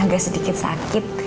agak sedikit sakit